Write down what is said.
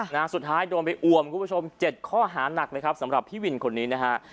นางสุดท้ายโดนไปอวมคุณผู้ชม๗ข้อหาหนักสำหรับพี่วินคนนี้นะฮะ